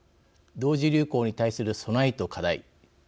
同時流行に対する備えと課題。